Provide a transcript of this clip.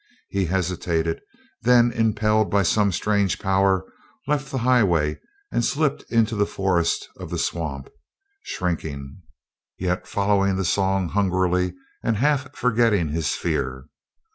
He hesitated, then impelled by some strange power, left the highway and slipped into the forest of the swamp, shrinking, yet following the song hungrily and half forgetting his fear.